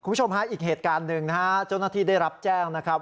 คุณผู้ชมอีกเหตุการณ์หนึ่งจนทีได้รับแจ้งนะครับ